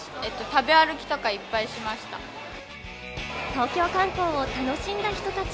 東京観光を楽しんだ人たち。